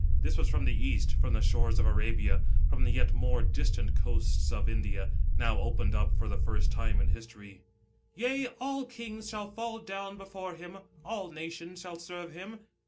This was from the East, from the shores of Arabia, from the yet more distant coasts of India, now opened up for th^ first time in history, " Yea, all kings shall fall down before him ; all nations shall serve him."